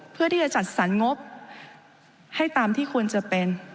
เพื่อที่จะจัดสรรงบให้ตามที่ควรจะเป็น